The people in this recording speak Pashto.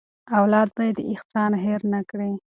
اولاد باید احسان هېر نه کړي.